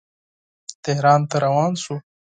تهران ته روان شو.